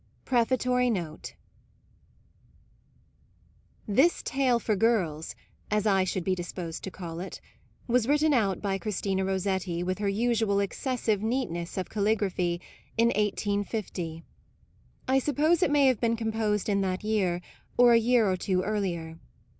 Prefatory Note THIS "Tale for Girls" (as I should be disposed to call it) was written out by Christina Rossetti, with her usual excessive neatness of caligraphy, in 1850. I suppose it may have been composed in that year, or a year or two earlier.